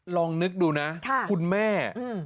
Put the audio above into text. ลองนึกดูนะคุณแม่